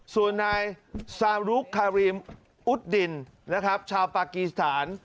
ส่วนนายซารุคารีมอุดดินนะครับชาวปากีสถาน